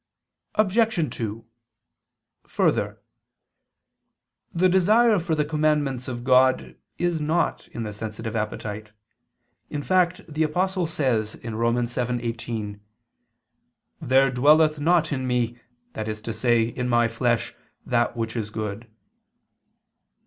Obj. 2: Further, the desire for the commandments of God is not in the sensitive appetite: in fact the Apostle says (Rom. 7:18): "There dwelleth not in me, that is to say, in my flesh, that which is good."